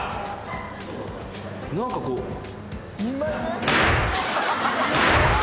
何かこう。